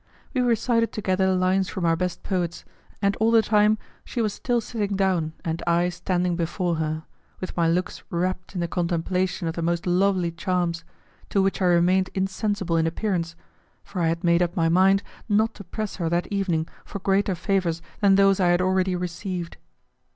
We recited together lines from our best poets, and all the time she was still sitting down and I standing before her, with my looks rapt in the contemplation of the most lovely charms, to which I remained insensible in appearance, for I had made up my mind not to press her that evening for greater favours than those I had already received.